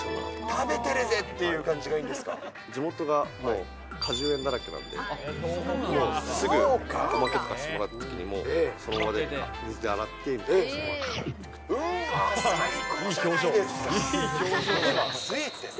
食べてるぜっていう感じがい地元がもう果樹園だらけなんで、もう、すぐ、おまけとかしてもらったときも、そのままで、水で洗って、テーマはスイーツです。